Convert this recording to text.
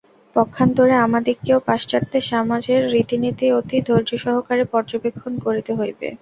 পক্ষান্তরে আমাদিগকেও পাশ্চাত্য সমাজের রীতিনীতি অতি ধৈর্যসহকারে পর্যবেক্ষণ করিতে হইবে।